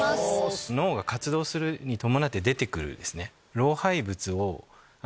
脳が活動するに伴って出てくる。